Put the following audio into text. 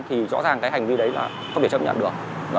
thì rõ ràng cái hành vi đấy là không thể chấp nhận được